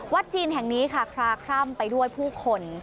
จีนแห่งนี้ค่ะคลาคล่ำไปด้วยผู้คน